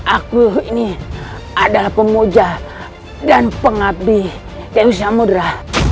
aku ini adalah pemuja dan pengabdi dewi syamudera